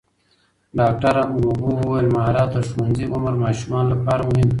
ډاکټره هومبو وویل مهارت د ښوونځي عمر ماشومانو لپاره مهم دی.